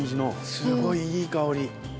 すごいいい香り。